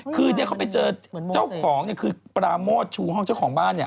คือเขาไปเจอเจ้าของคือประหม้อชู้ห้องเจ้าของบ้านเนี่ย